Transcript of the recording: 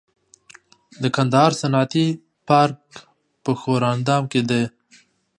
د کندهار صنعتي پارک په ښوراندام کې دی